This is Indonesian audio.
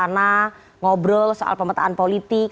kemarin kan habis dari istana ngobrol soal pemetaan politik